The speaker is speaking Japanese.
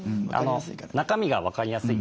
中身が分かりやすい。